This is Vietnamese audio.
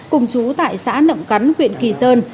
cùng chú tại xã nậm cắn huyện kỳ sơn